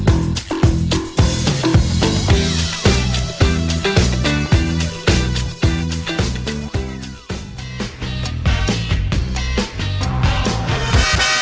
อันตรายวีดีโอกาสเวลา๑๙๑๐๑๑นสนุนครอบครับ